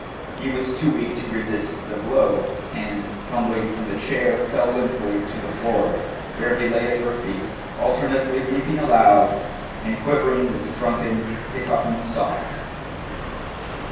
He was too weak to resist the blow, and, tumbling from the chair, fell limply to the floor, where he lay at her feet, alternately weeping aloud and quivering with drunken, hiccoughing sobs.